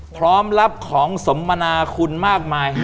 พร้อมรับของสมมนาคุณมากมาย